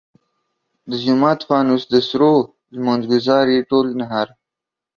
د جومات فانوس د سرو لمونځ ګزار ئې ټول نهر !